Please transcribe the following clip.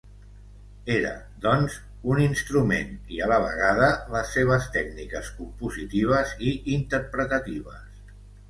Era, doncs, un instrument i a la vegada les seves tècniques compositives i interpretatives.